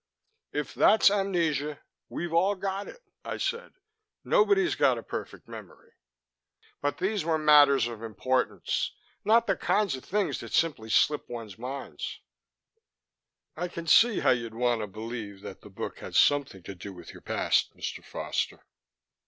"If that's amnesia, we've all got it," I said. "Nobody's got a perfect memory." "But these were matters of importance; not the kinds of thing that simply slip one's mind." "I can see how you'd want to believe the book had something to do with your past, Mr. Foster," I said.